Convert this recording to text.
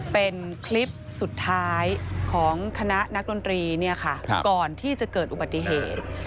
เป็นคลิปสุดท้ายของคณะนักดนตรีก่อนที่จะเกิดอุบัติเหตุ